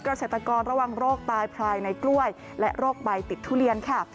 เกษตรกรระวังโรคตายพลายในกล้วยและโรคใบติดทุเรียนค่ะ